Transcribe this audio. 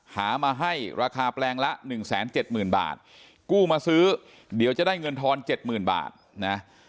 หามาให้ราคาแปลงละ๑๗๐๐๐บาทกู้มาซื้อเดี๋ยวจะได้เงินทอนเจ็ดหมื่นบาทนะ